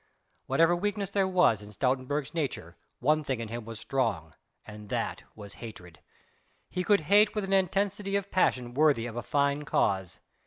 Whatever weakness there was in Stoutenburg's nature, one thing in him was strong and that was hatred. He could hate with an intensity of passion worthy of a fine cause.